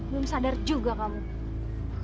belum sadar juga kamu